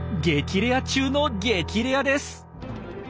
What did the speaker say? レア中の激レアです。